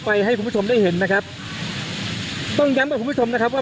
ทางกลุ่มมวลชนทะลุฟ้าทางกลุ่มมวลชนทะลุฟ้า